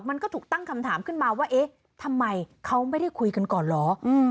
มันก็ถูกตั้งคำถามขึ้นมาว่าเอ๊ะทำไมเขาไม่ได้คุยกันก่อนเหรอ